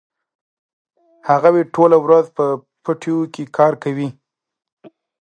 هغوی ټوله ورځ په پټیو کې کار کاوه.